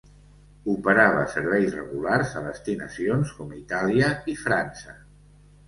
Operava serveis regulars a destinacions com Itàlia i França.